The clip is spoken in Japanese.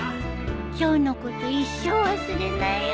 今日のこと一生忘れないよ。